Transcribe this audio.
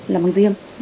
làm bằng riêng